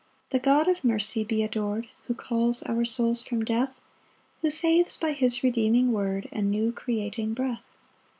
1 The God of mercy be ador'd, Who calls our souls from death, Who saves by his redeeming word, And new creating breath.